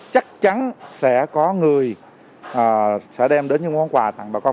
chắc chắn sẽ có người sẽ đem đến những món quà tặng bà con